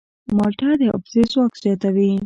مالټه د حافظې ځواک زیاتوي.